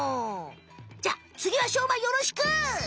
じゃあつぎはしょうまよろしく！